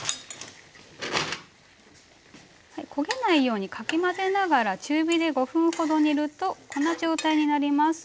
焦げないようにかき混ぜながら中火で５分ほど煮るとこんな状態になります。